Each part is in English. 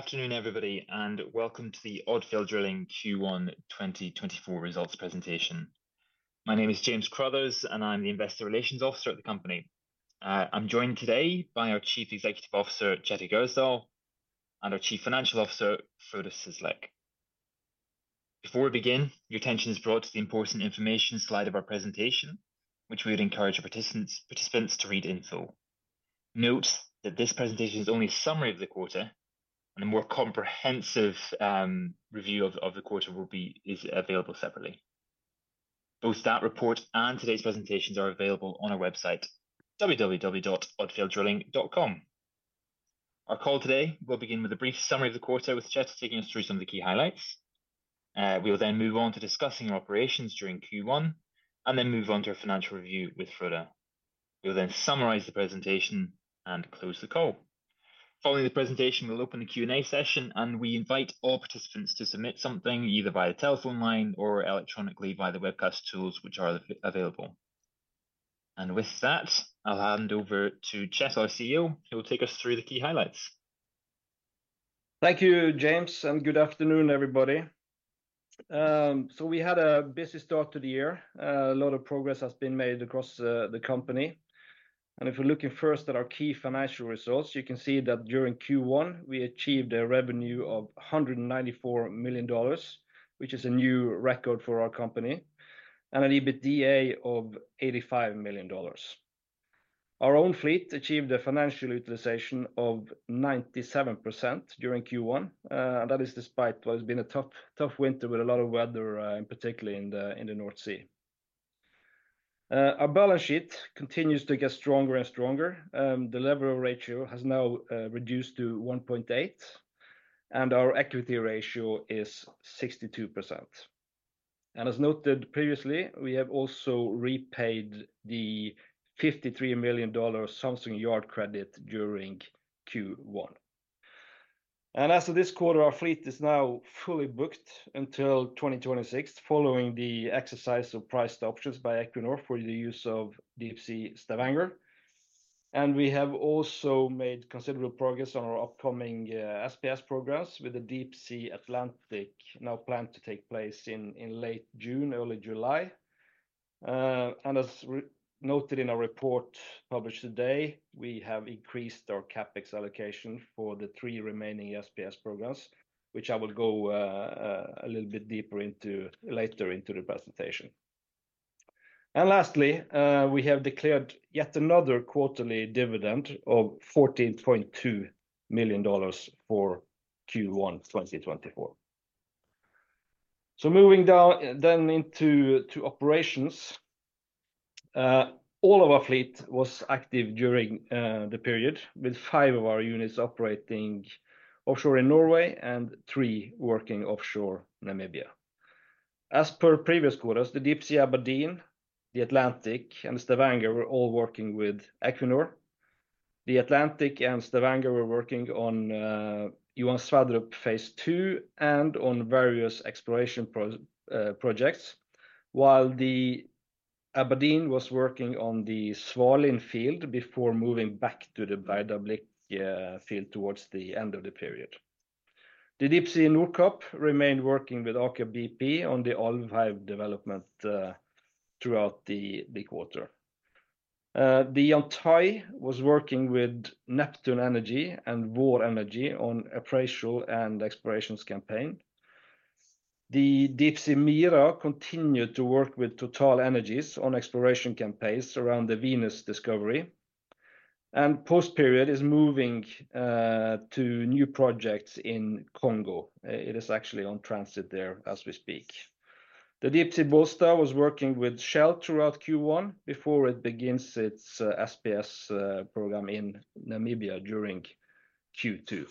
Good afternoon, everybody, and welcome to the Odfjell Drilling Q1 2024 results presentation. My name is James Crothers, and I'm the Investor Relations Officer at the company. I'm joined today by our Chief Executive Officer, Kjetil Gjersdal, and our Chief Financial Officer, Frode Syslak. Before we begin, your attention is brought to the important information slide of our presentation, which we would encourage participants to read in full. Note that this presentation is only a summary of the quarter, and a more comprehensive review of the quarter is available separately. Both that report and today's presentations are available on our website, www.odfjelldrilling.com. Our call today will begin with a brief summary of the quarter, with Kjetil taking us through some of the key highlights. We will then move on to discussing operations during Q1, and then move on to a financial review with Frode. We will then summarize the presentation and close the call. Following the presentation, we'll open the Q&A session, and we invite all participants to submit something, either via telephone line or electronically via the webcast tools which are available. With that, I'll hand over to Kjetil, our CEO, who will take us through the key highlights. Thank you, James, and good afternoon, everybody. So we had a busy start to the year. A lot of progress has been made across the company. And if we're looking first at our key financial results, you can see that during Q1, we achieved a revenue of $194 million, which is a new record for our company, and an EBITDA of $85 million. Our own fleet achieved a financial utilization of 97% during Q1, and that is despite what has been a tough, tough winter with a lot of weather, in particular in the North Sea. Our balance sheet continues to get stronger and stronger. The leverage ratio has now reduced to 1.8, and our equity ratio is 62%. As noted previously, we have also repaid the $53 million Samsung yard credit during Q1. As of this quarter, our fleet is now fully booked until 2026, following the exercise of priced options by Equinor for the use of Deepsea Stavanger. We have also made considerable progress on our upcoming SPS programs, with the Deepsea Atlantic now planned to take place in late June, early July. As noted in our report published today, we have increased our CapEx allocation for the three remaining SPS programs, which I will go a little bit deeper into later into the presentation. Lastly, we have declared yet another quarterly dividend of $14.2 million for Q1 2024. Moving down then into operations, all of our fleet was active during the period, with five of our units operating offshore in Norway and three working offshore Namibia. As per previous quarters, the Deepsea Aberdeen, the Atlantic, and Stavanger were all working with Equinor. The Atlantic and Stavanger were working on Johan Sverdrup Phase 2 and on various exploration projects, while the Aberdeen was working on the Svalin field before moving back to the Breidablikk field towards the end of the period. The Deepsea Nordkapp remained working with Aker BP on the Alvheim development throughout the quarter. The Yantai was working with Neptune Energy and Vår Energi on appraisal and exploration campaign. The Deepsea Mira continued to work with TotalEnergies on exploration campaigns around the Venus discovery, and post-period is moving to new projects in Congo. It is actually on transit there as we speak. The Deepsea Bollsta was working with Shell throughout Q1 before it begins its SPS program in Namibia during Q2.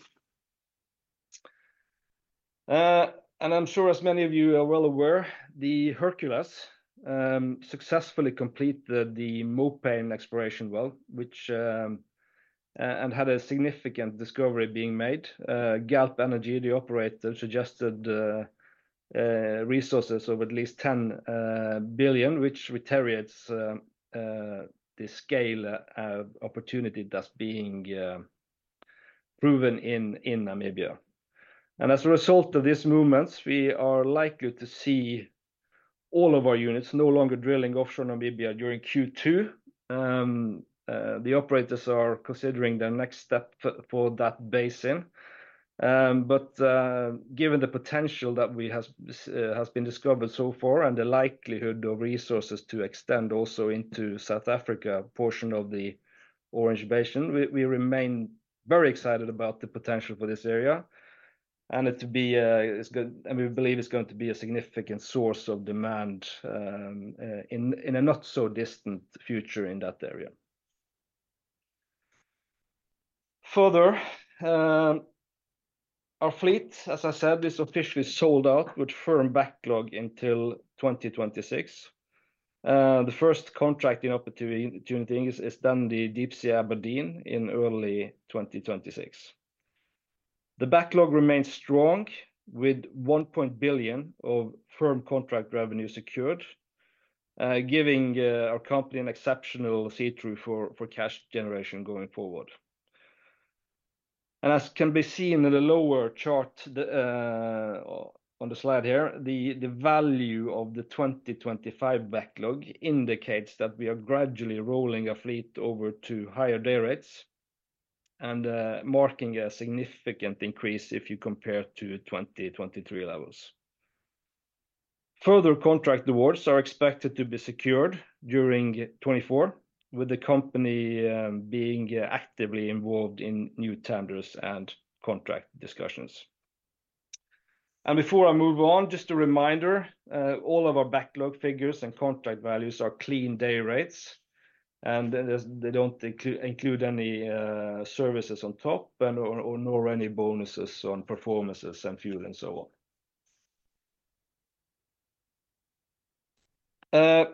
And I'm sure as many of you are well aware, the Hercules successfully completed the Mopane exploration well, which had a significant discovery being made. Galp Energy, the operator, suggested resources of at least 10 billion, which reiterates the scale opportunity that's being proven in Namibia. As a result of these movements, we are likely to see all of our units no longer drilling offshore Namibia during Q2. The operators are considering the next step for that basin. But given the potential that has been discovered so far and the likelihood of resources to extend also into South Africa portion of the Orange Basin, we remain very excited about the potential for this area, and it to be, it's good and we believe it's going to be a significant source of demand in a not so distant future in that area. Further, our fleet, as I said, is officially sold out with firm backlog until 2026. The first contract opportunity during that time is the Deepsea Aberdeen in early 2026. The backlog remains strong, with $1 billion of firm contract revenue secured, giving our company an exceptional visibility for cash generation going forward. As can be seen in the lower chart, on the slide here, the value of the 2025 backlog indicates that we are gradually rolling our fleet over to higher day rates, and marking a significant increase if you compare to 2023 levels. Further contract awards are expected to be secured during 2024, with the company being actively involved in new tenders and contract discussions. Before I move on, just a reminder, all of our backlog figures and contract values are clean day rates, and then there's they don't include any services on top or nor any bonuses on performances and fuel, and so on.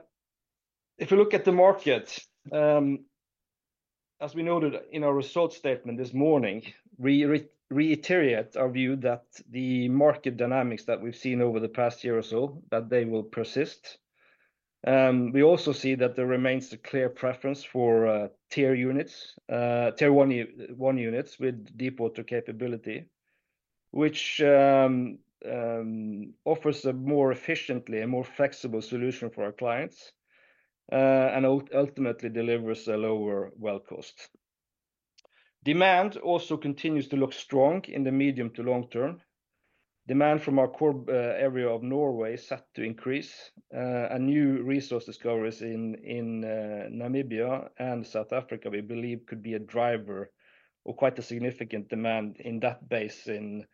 If you look at the market, as we noted in our results statement this morning, we reiterate our view that the market dynamics that we've seen over the past year or so, that they will persist. We also see that there remains a clear preference for Tier 1 units with deepwater capability, which offers a more efficiently and more flexible solution for our clients, and ultimately delivers a lower well cost. Demand also continues to look strong in the medium to long term. Demand from our core area of Norway is set to increase, and new resource discoveries in Namibia and South Africa, we believe could be a driver or quite a significant demand in that basin.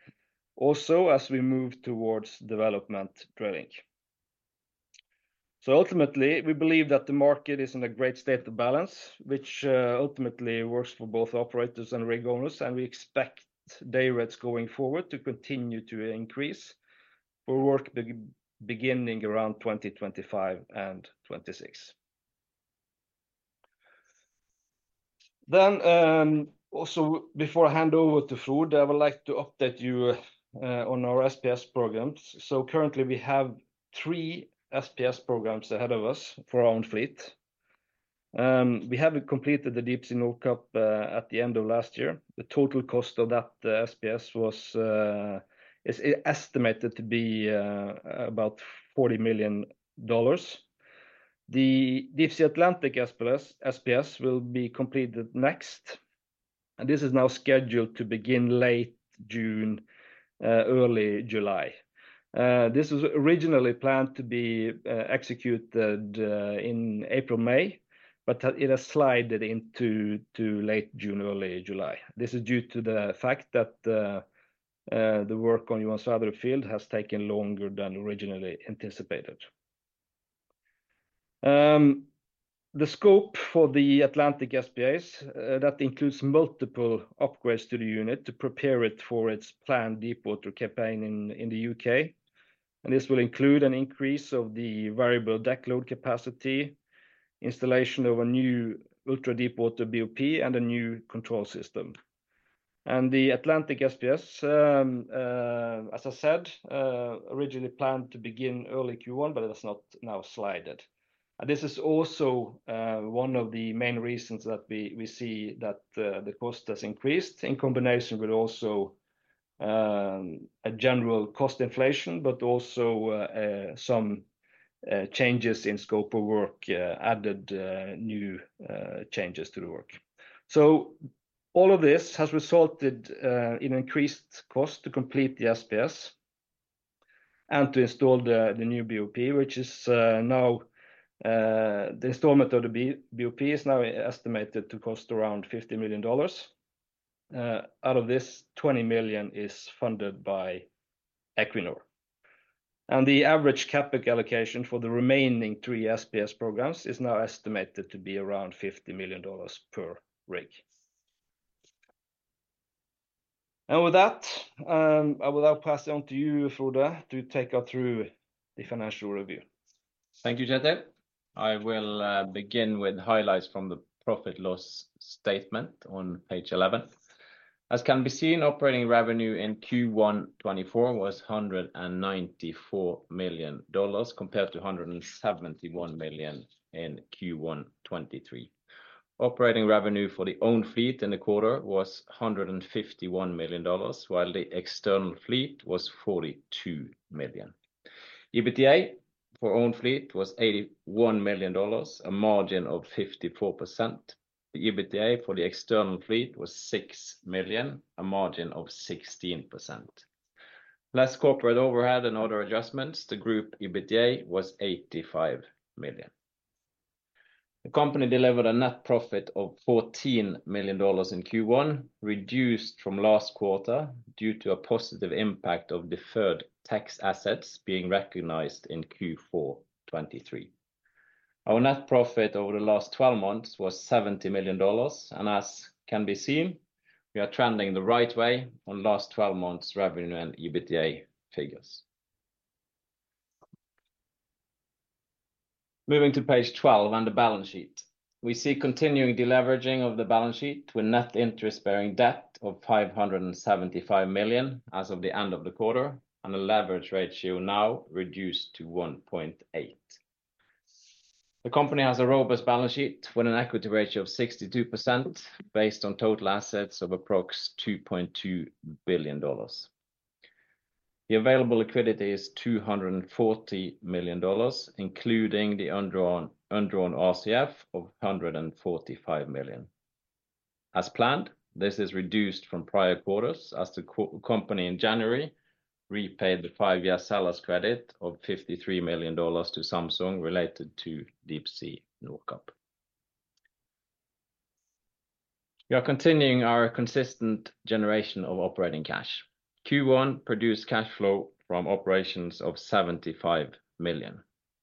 Also, as we move towards development drilling. So ultimately, we believe that the market is in a great state of balance, which ultimately works for both operators and rig owners, and we expect day rates going forward to continue to increase for work beginning around 2025 and 2026. Then also, before I hand over to Frode, I would like to update you on our SPS programs. So currently, we have three SPS programs ahead of us for our own fleet. We have completed the Deepsea Nordkapp at the end of last year. The total cost of that SPS is estimated to be about $40 million. The Deepsea Atlantic SPS will be completed next, and this is now scheduled to begin late June, early July. This was originally planned to be executed in April, May, but it has slid into to late June, early July. This is due to the fact that the work on Johan Sverdrup field has taken longer than originally anticipated. The scope for the Atlantic SPS that includes multiple upgrades to the unit to prepare it for its planned deepwater campaign in the U.K.. And this will include an increase of the variable deck load capacity, installation of a new ultra-deepwater BOP, and a new control system. And the Atlantic SPS, as I said, originally planned to begin early Q1, but it has not now slid. And this is also one of the main reasons that we, we see that the cost has increased in combination with also a general cost inflation, but also some changes in scope of work, added new changes to the work. So all of this has resulted in increased cost to complete the SPS and to install the new BOP, which is now the installment of the BOP is now estimated to cost around $50 million. Out of this, $20 million is funded by Equinor. And the average CapEx allocation for the remaining three SPS programs is now estimated to be around $50 million per rig. And with that, I will now pass it on to you, Frode, to take us through the financial review. Thank you, Kjetil. I will begin with highlights from the profit loss statement on page 11. As can be seen, operating revenue in Q1 2024 was $194 million, compared to $171 million in Q1 2023. Operating revenue for the own fleet in the quarter was $151 million, while the external fleet was $42 million. EBITDA for own fleet was $81 million, a margin of 54%. The EBITDA for the external fleet was $6 million, a margin of 16%. Less corporate overhead and other adjustments, the group EBITDA was $85 million. The company delivered a net profit of $14 million in Q1, reduced from last quarter due to a positive impact of deferred tax assets being recognized in Q4 2023. Our net profit over the last 12 months was $70 million, and as can be seen, we are trending the right way on last 12 months revenue and EBITDA figures. Moving to page 12 and the balance sheet. We see continuing deleveraging of the balance sheet to a net interest-bearing debt of $575 million as of the end of the quarter, and a leverage ratio now reduced to 1.8. The company has a robust balance sheet with an equity ratio of 62% based on total assets of approx $2.2 billion. The available liquidity is $240 million, including the undrawn RCF of $145 million. As planned, this is reduced from prior quarters as the company in January repaid the five-year seller's credit of $53 million to Samsung related to Deepsea Nordkapp. We are continuing our consistent generation of operating cash. Q1 produced cash flow from operations of $75 million.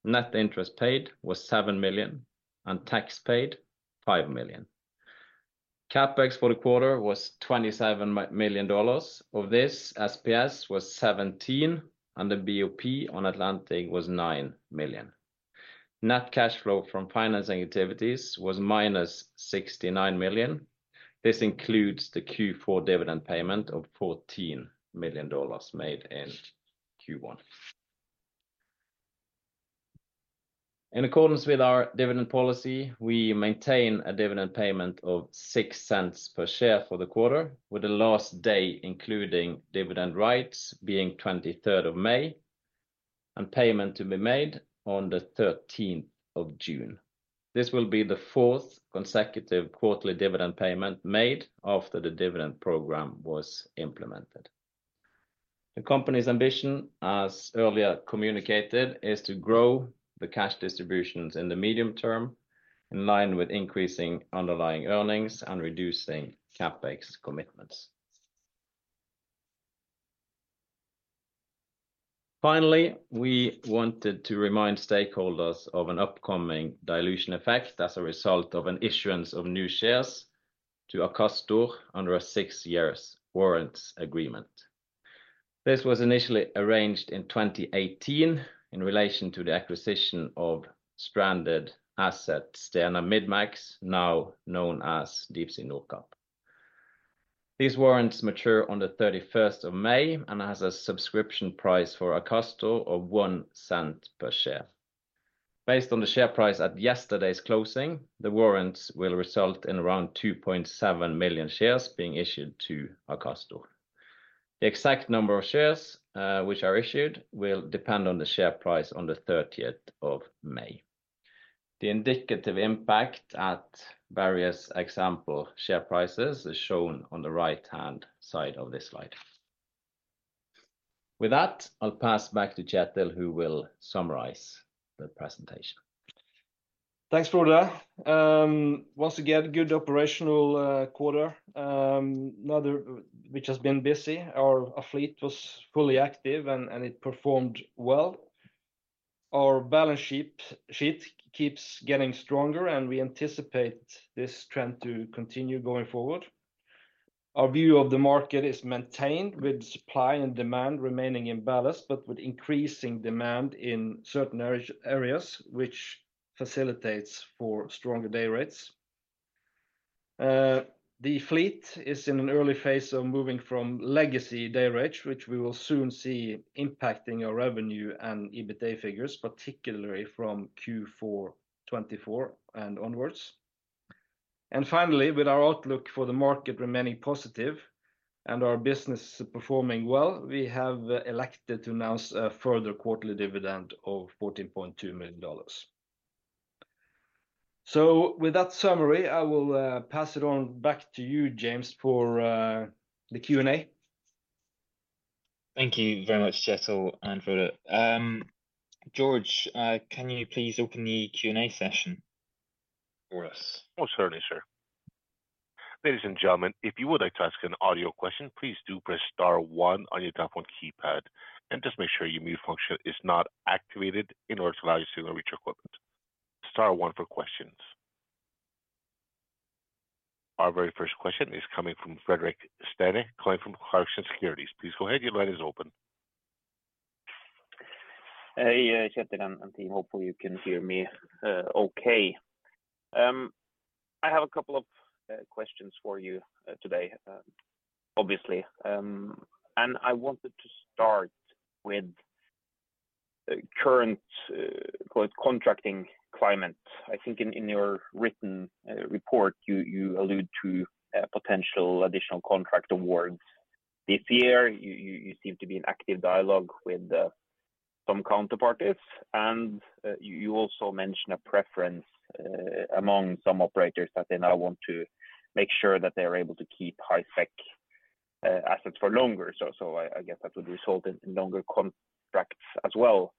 Net interest paid was $7 million, and tax paid $5 million. CapEx for the quarter was $27 million. Of this, SPS was $17 million, and the BOP on Atlantic was $9 million. Net cash flow from financing activities was -$69 million. This includes the Q4 dividend payment of $14 million made in Q1. In accordance with our dividend policy, we maintain a dividend payment of $0.06 per share for the quarter, with the last day including dividend rights being 23rd of May, and payment to be made on the 13th of June. This will be the fourth consecutive quarterly dividend payment made after the dividend program was implemented. The company's ambition, as earlier communicated, is to grow the cash distributions in the medium term, in line with increasing underlying earnings and reducing CapEx commitments. Finally, we wanted to remind stakeholders of an upcoming dilution effect as a result of an issuance of new shares to Akastor under a six-year warrants agreement. This was initially arranged in 2018 in relation to the acquisition of stranded asset, Stena Midmax, now known as Deepsea Nordkapp. These warrants mature on the 31st of May and has a subscription price for Akastor of $0.01 per share. Based on the share price at yesterday's closing, the warrants will result in around 2.7 million shares being issued to Akastor. The exact number of shares, which are issued will depend on the share price on the 30th of May. The indicative impact at various example share prices is shown on the right-hand side of this slide. With that, I'll pass back to Kjetil, who will summarize the presentation. Thanks, Frode. Once again, good operational quarter, another which has been busy. Our fleet was fully active, and it performed well. Our balance sheet keeps getting stronger, and we anticipate this trend to continue going forward. Our view of the market is maintained, with supply and demand remaining in balance, but with increasing demand in certain areas, which facilitates for stronger day rates. The fleet is in an early phase of moving from legacy dayrate, which we will soon see impacting our revenue and EBITDA figures, particularly from Q4 2024 and onwards. Finally, with our outlook for the market remaining positive and our business performing well, we have elected to announce a further quarterly dividend of $14.2 million. With that summary, I will pass it on back to you, James, for the Q&A. Thank you very much, Kjetil and Frode. George, can you please open the Q&A session for us? Most certainly, sir. Ladies and gentlemen, if you would like to ask an audio question, please do press star one on your telephone keypad and just make sure your mute function is not activated in order to allow you to reach your equipment. Star one for questions. Our very first question is coming from Fredrik Stene, calling from Clarksons Securities. Please go ahead, your line is open. Hey, Kjetil and team, hopefully you can hear me, okay. I have a couple of questions for you, today, obviously. I wanted to start with current contracting climate. I think in your written report, you allude to potential additional contract awards. This year, you seem to be in active dialogue with some counterparties, and you also mentioned a preference among some operators that they now want to make sure that they are able to keep high tech assets for longer. So, I guess that would result in longer contracts as well.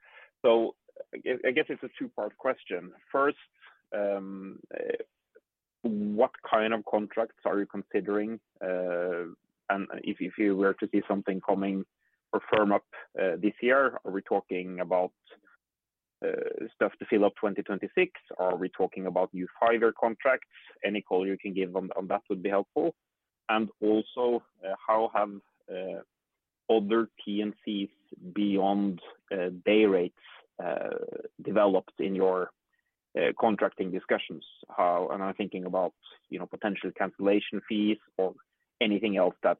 So I guess it's a two-part question. First, what kind of contracts are you considering? And if you were to see something coming or firm up this year, are we talking about stuff to fill up 2026, or are we talking about new five-year contracts? Any call you can give on that would be helpful. And also, how have other T&Cs beyond day rates developed in your contracting discussions? And I'm thinking about, you know, potential cancellation fees or anything else that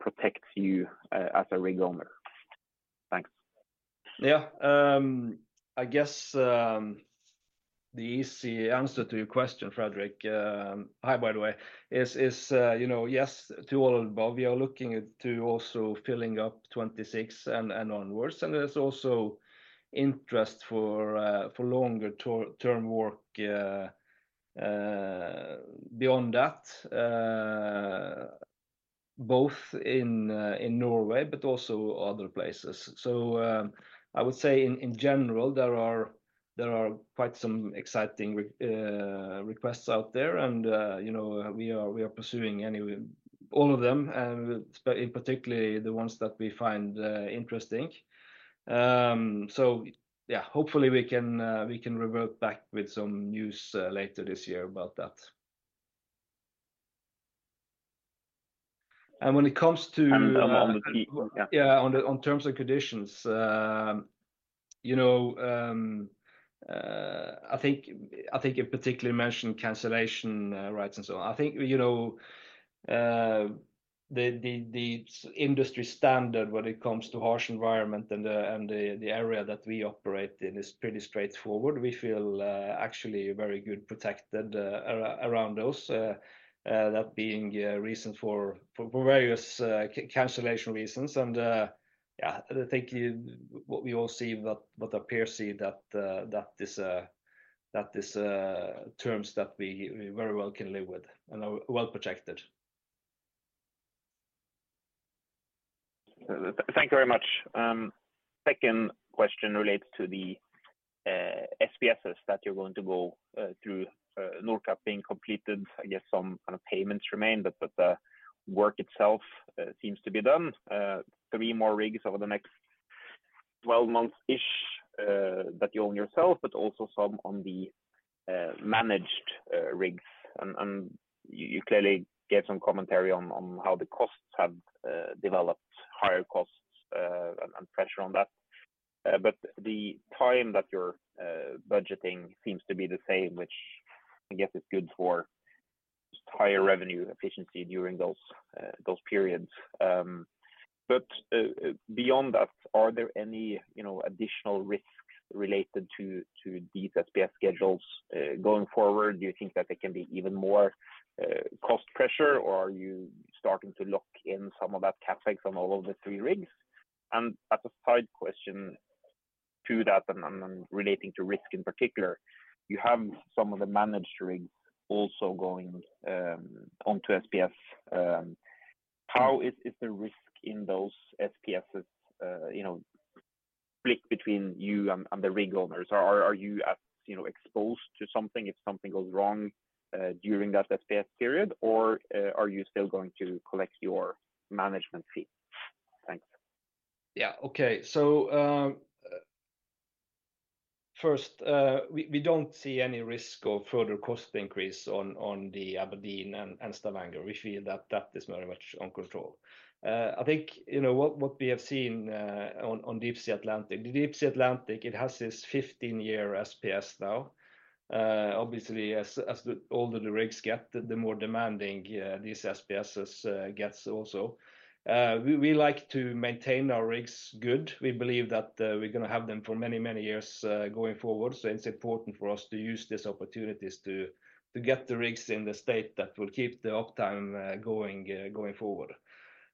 protects you as a rig owner. Thanks. Yeah. I guess, the easy answer to your question, Fredrik, hi, by the way, is, you know, yes, to all above. We are looking into also filling up 2026 and onwards, and there's also interest for, for longer-term work, beyond that, both in Norway but also other places. So, I would say in general, there are quite some exciting requests out there, and, you know, we are pursuing any, all of them, and in particular the ones that we find, interesting. So yeah, hopefully we can, we can revert back with some news, later this year about that. And when it comes to- On the peak, yeah.... Yeah, on the terms and conditions, you know, I think you particularly mentioned cancellation rights and so on. I think, you know, the industry standard when it comes to harsh environment and the area that we operate in is pretty straightforward. We feel actually very good protected around those that being reason for various cancellation reasons. Yeah, I think you know what we all see that, what we perceive that, that is terms that we very well can live with and are well protected. Thank you very much. Second question relates to the SPSs that you're going to go through, Nordkapp being completed. I guess some kind of payments remain, but the work itself seems to be done. Three more rigs over the next 12 months-ish that you own yourself, but also some on the managed rigs. You clearly gave some commentary on how the costs have developed higher costs and pressure on that. The time that you're budgeting seems to be the same, which I guess is good for higher revenue efficiency during those periods. Beyond that, are there any, you know, additional risks related to these SPS schedules going forward? Do you think that there can be even more cost pressure, or are you starting to lock in some of that CapEx on all of the three rigs? And as a side question to that and relating to risk in particular, you have some of the managed rigs also going onto SPS. How is the risk in those SPSs, you know, split between you and the rig owners? Are you as, you know, exposed to something if something goes wrong during that SPS period, or are you still going to collect your management fee? Thanks. Yeah. Okay. So, first, we don't see any risk of further cost increase on the Aberdeen and Stavanger. We feel that that is very much under control. I think, you know, what we have seen on Deepsea Atlantic, the Deepsea Atlantic, it has this 15-year SPS now. Obviously, as the older the rigs get, the more demanding these SPSs gets also. We like to maintain our rigs good. We believe that we're gonna have them for many, many years going forward. So it's important for us to use these opportunities to get the rigs in the state that will keep the uptime going forward.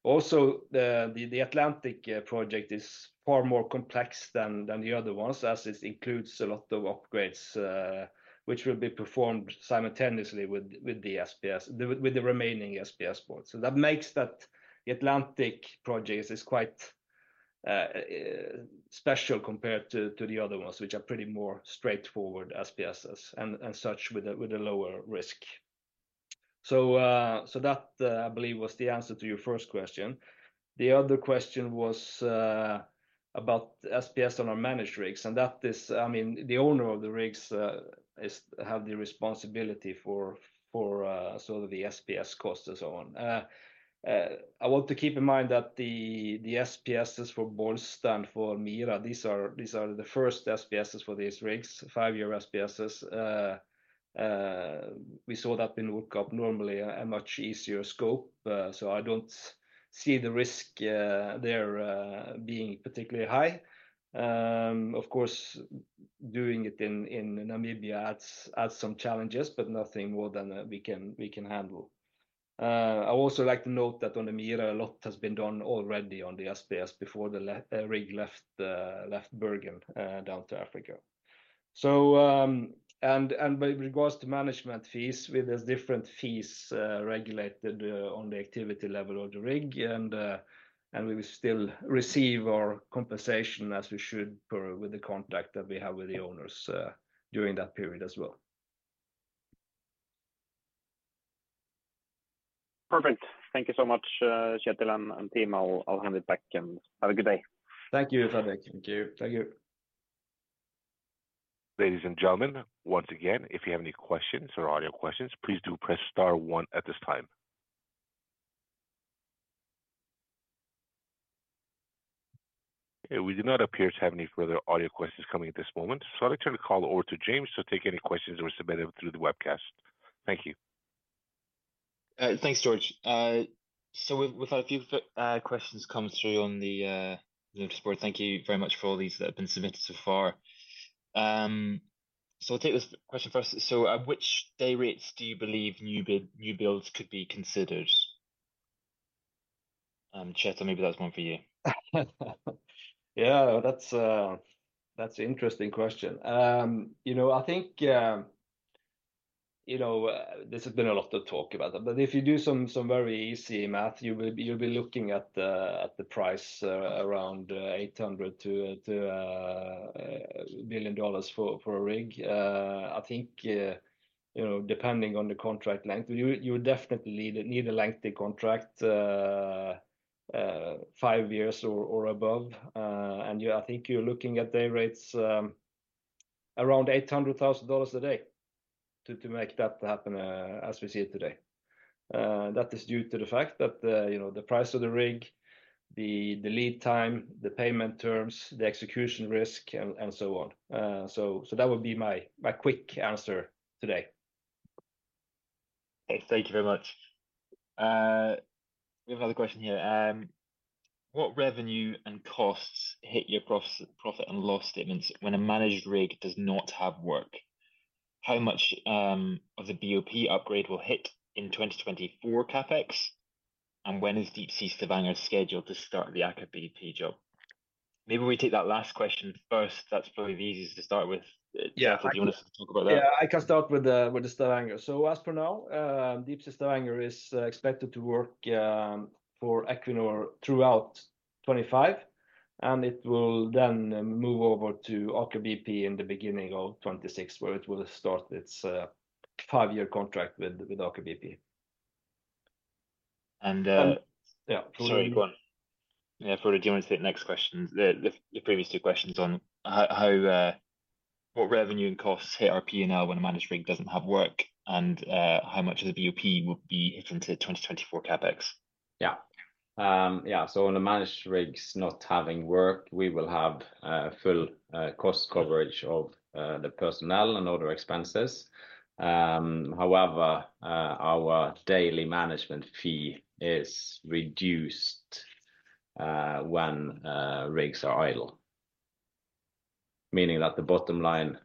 Also, the Atlantic project is far more complex than the other ones, as it includes a lot of upgrades, which will be performed simultaneously with the SPS, with the remaining SPS ports. So that makes that the Atlantic projects is quite special compared to the other ones, which are pretty more straightforward SPSs and such with a lower risk. So, so that I believe was the answer to your first question. The other question was about SPS on our managed rigs, and that is, I mean, the owner of the rigs have the responsibility for so the SPS cost and so on. I want to keep in mind that the SPSs for Bollsta for Mira, these are the first SPSs for these rigs, five-year SPSs. We saw that in Norway, normally a much easier scope, so I don't see the risk there being particularly high. Of course, doing it in Namibia adds some challenges, but nothing more than we can handle. I also like to note that on the Mira, a lot has been done already on the SPS before the rig left Bergen down to Africa. So, with regards to management fees, with these different fees regulated on the activity level of the rig, and we will still receive our compensation, as we should per the contract that we have with the owners, during that period as well. Perfect. Thank you so much, Kjetil and team. I'll hand it back and have a good day. Thank you, Fredrik. Thank you. Thank you.... Ladies and gentlemen, once again, if you have any questions or audio questions, please do press star one at this time. Okay, we do not appear to have any further audio questions coming in at this moment, so I'd like to turn the call over to James to take any questions that were submitted through the webcast. Thank you. Thanks, George. So we've had a few questions come through on the board. Thank you very much for all these that have been submitted so far. I'll take this question first. So at which day rates do you believe new build, new builds could be considered? Kjetil, maybe that's one for you. Yeah, that's, that's an interesting question. You know, I think, you know, this has been a lot of talk about that. But if you do some very easy math, you'll be looking at the price around $800 million-$1 billion for a rig. I think, you know, depending on the contract length, you would definitely need a lengthy contract, five years or above. And you, I think you're looking at day rates around $800,000 a day to make that happen, as we see it today. That is due to the fact that, you know, the price of the rig, the lead time, the payment terms, the execution risk, and so on. So that would be my quick answer today. Okay. Thank you very much. We have another question here. What revenue and costs hit your gross profit and loss statements when a managed rig does not have work? How much of the BOP upgrade will hit in 2024 CapEx, and when is Deepsea Stavanger scheduled to start the Aker BP job? Maybe we take that last question first. That's probably the easiest to start with. Yeah. Kjetil, do you want to talk about that? Yeah, I can start with the Stavanger. So as for now, Deepsea Stavanger is expected to work for Equinor throughout 2025, and it will then move over to Aker BP in the beginning of 2026, where it will start its five-year contract with Aker BP. And, uh- Yeah. Sorry, go on. Yeah, Frode, do you want to take the next question? The previous two questions: what revenue and costs hit our P&L when a managed rig doesn't have work, and how much of the BOP will be into 2024 CapEx. Yeah. Yeah, so when a managed rig's not having work, we will have full cost coverage of the personnel and other expenses. However, our daily management fee is reduced when rigs are idle, meaning that the bottom line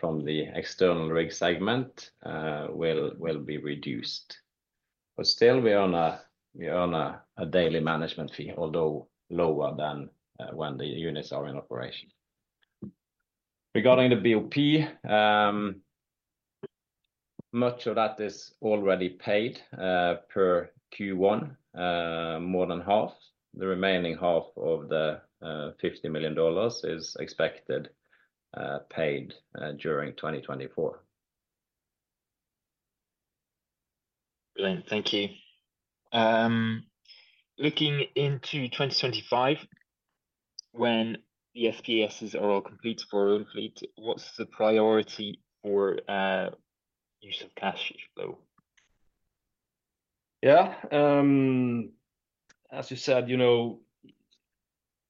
from the external rig segment will be reduced. But still, we earn a daily management fee, although lower than when the units are in operation. Regarding the BOP, much of that is already paid per Q1, more than 1/2. The remaining 1/2 of the $50 million is expected paid during 2024. Brilliant. Thank you. Looking into 2025, when the FPSs are all complete for our own fleet, what's the priority for use of cash flow? Yeah. As you said, you know,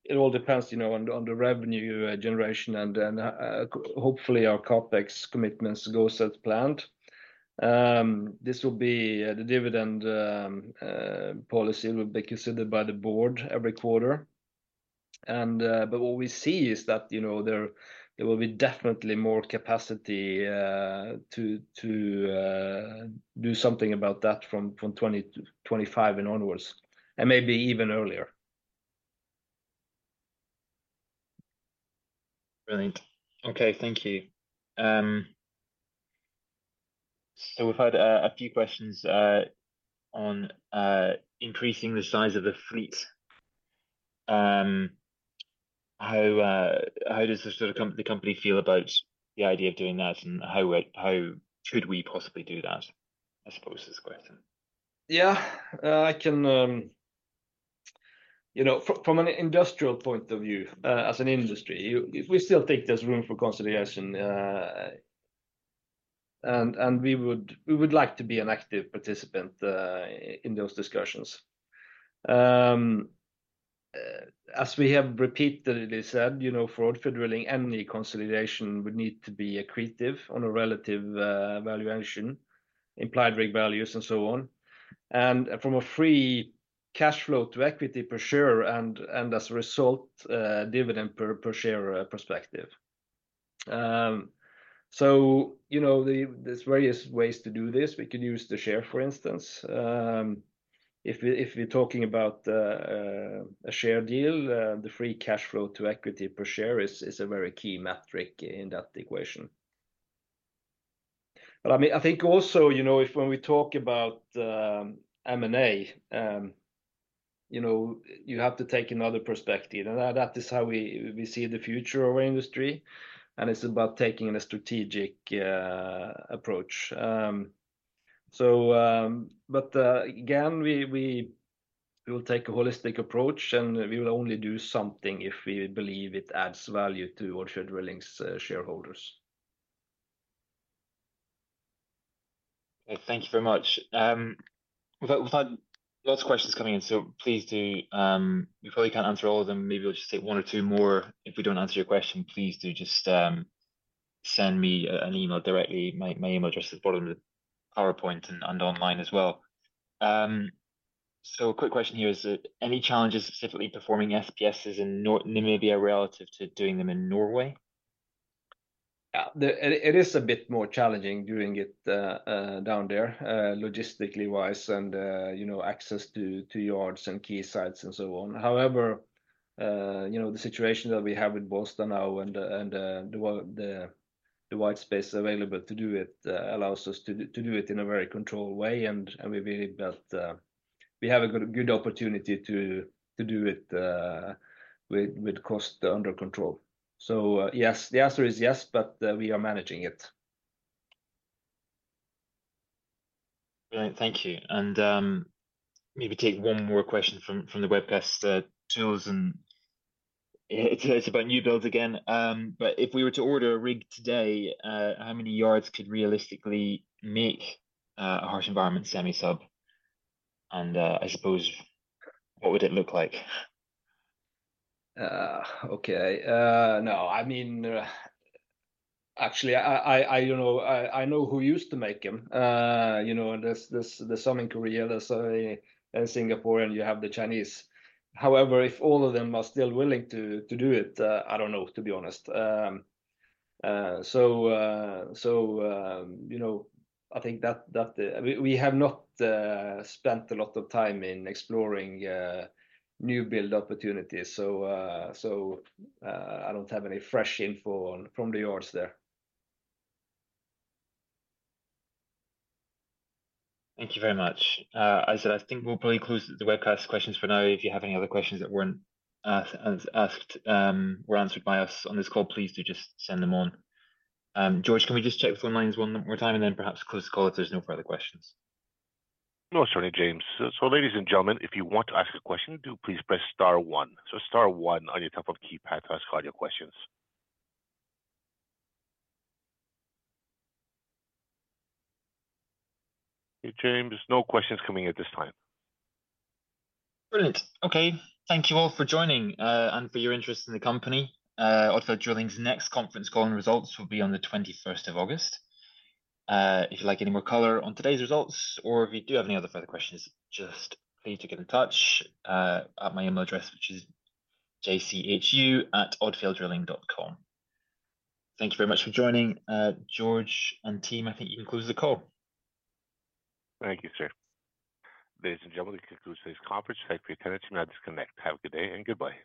it all depends, you know, on the revenue generation and then hopefully our CapEx commitments goes as planned. This will be the dividend policy will be considered by the board every quarter. But what we see is that, you know, there will be definitely more capacity to do something about that from 2025 and onwards, and maybe even earlier. Brilliant. Okay, thank you. So we've had a few questions on increasing the size of the fleet. How does the sort of company feel about the idea of doing that, and how should we possibly do that? I suppose is the question. Yeah. I can. You know, from an industrial point of view, as an industry, you, we still think there's room for consolidation, and we would like to be an active participant in those discussions. As we have repeatedly said, you know, for Odfjell Drilling, any consolidation would need to be accretive on a relative valuation, implied rig values, and so on, and from a free cash flow to equity per share, and as a result, dividend per share perspective. So, you know, there's various ways to do this. We could use the share, for instance. If we're talking about a share deal, the free cash flow to equity per share is a very key metric in that equation. But, I mean, I think also, you know, if when we talk about M&A, you know, you have to take another perspective, and that is how we see the future of our industry, and it's about taking a strategic approach. So, but, again, we will take a holistic approach, and we will only do something if we believe it adds value to Odfjell Drilling's shareholders. Okay, thank you very much. We've had, we've had lots of questions coming in, so please do... We probably can't answer all of them. Maybe we'll just take one or two more. If we don't answer your question, please do just send me an email directly. My, my email address is at the bottom of the PowerPoint and, and online as well. So a quick question here is any challenges specifically performing SPSs in Namibia relative to doing them in Norway? It is a bit more challenging doing it down there logistically wise, and you know, access to yards and key sites and so on. However, you know, the situation that we have with Bollsta now and the white space available to do it allows us to do it in a very controlled way. We believe that we have a good opportunity to do it with cost under control. So, yes, the answer is yes, but we are managing it. Great, thank you. And, maybe take one more question from the webcast tools, and it's about new builds again. But if we were to order a rig today, how many yards could realistically make a harsh environment semi-sub? And, I suppose, what would it look like? Okay. No, I mean, actually, you know, I know who used to make them. You know, there's some in Korea, there's some in Singapore, and you have the Chinese. However, if all of them are still willing to do it, I don't know, to be honest. You know, I think that we have not spent a lot of time in exploring new build opportunities, so I don't have any fresh info on from the yards there. Thank you very much. I said I think we'll probably close the webcast questions for now. If you have any other questions that weren't asked or answered by us on this call, please do just send them on. George, can we just check the phone lines one more time and then perhaps close the call if there's no further questions? Most certainly, James. So, ladies and gentlemen, if you want to ask a question, do please press star one. So star one on your telephone keypad to ask all your questions. Hey, James, no questions coming in at this time. Brilliant. Okay. Thank you all for joining, and for your interest in the company. Odfjell Drilling's next conference call and results will be on the 21st of August. If you'd like any more color on today's results or if you do have any other further questions, just please do get in touch, at my email address, which is jcro@odfjelldrilling.com. Thank you very much for joining. George and team, I think you can close the call. Thank you, James. Ladies and gentlemen, this concludes today's conference. Thank you for your attendance, you may disconnect. Have a good day and goodbye.